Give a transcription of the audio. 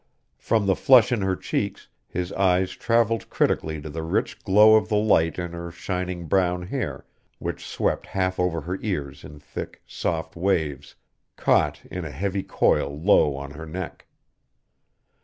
From the flush in her cheeks his eyes traveled critically to the rich glow of the light in her shining brown hair, which swept half over her ears in thick, soft waves, caught in a heavy coil low on her neck.